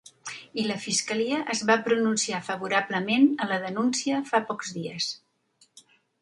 I la fiscalia es va pronunciar favorablement a la denúncia fa pocs dies.